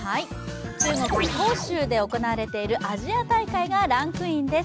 中国・杭州で行われているアジア大会がランクインです。